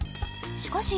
しかし